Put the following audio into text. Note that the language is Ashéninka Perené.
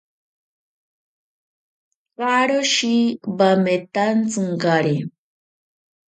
Karoshi wametantsinkari.